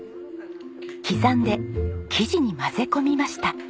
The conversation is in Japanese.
刻んで生地に混ぜ込みました。